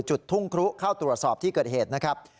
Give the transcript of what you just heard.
จุดทุ่งครุเข้าตรวจสอบที่เกิดเหตุนะครับ